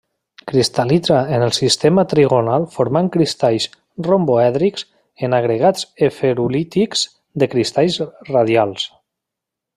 Cristal·litza en el sistema trigonal formant cristalls romboèdrics, en agregats esferulítics de cristalls radials.